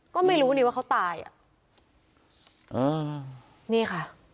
ก็ไม่รู้นี่ว่าเขาตายอ่ะอ่านี่ค่ะ